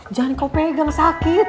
jangan kau pegang sakit